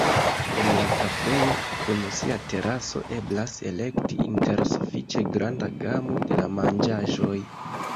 En la kafejo kun sia teraso eblas elekti inter sufiĉe granda gamo da manĝaĵoj.